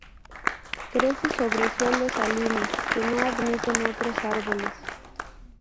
Crece sobre suelos salinos que no admiten otros árboles.